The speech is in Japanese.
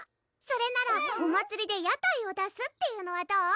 それならお祭りで屋台を出すっていうのはどう？